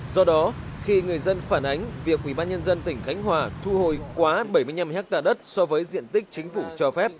do đó khi người dân phản ánh việc quỹ ban nhân dân tỉnh khánh hòa thu hồi quá bảy mươi năm ha đất so với diện tích chính phủ cho phép